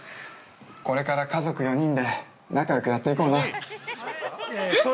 これから家族４人で仲よくやっていこうな。